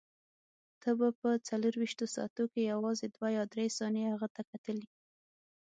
ته به په څلورویشتو ساعتو کې یوازې دوه یا درې ثانیې هغه ته کتلې.